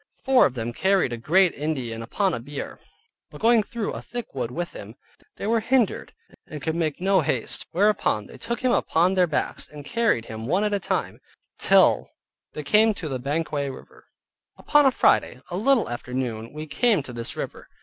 Four of them carried a great Indian upon a bier; but going through a thick wood with him, they were hindered, and could make no haste, whereupon they took him upon their backs, and carried him, one at a time, till they came to Banquaug river. Upon a Friday, a little after noon, we came to this river.